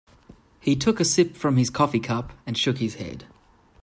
He took a sip from his coffee cup and shook his head.